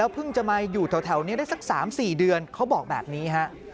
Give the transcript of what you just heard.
เพิ่งจะมาอยู่แถวนี้ได้สัก๓๔เดือนเขาบอกแบบนี้ฮะ